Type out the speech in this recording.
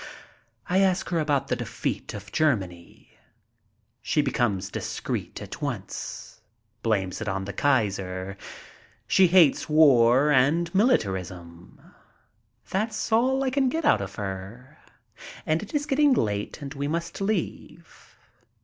I ask her about the defeat of Germany. She becomes dis creet at once. Blames it on the Kaiser. She hates war and militarism. That's all I can get out of her, and it is getting late and we must leave.